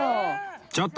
ちょっと！